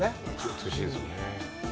美しいですね。